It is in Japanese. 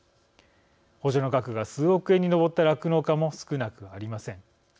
補助の額が数億円に上った酪農家も少なくありません。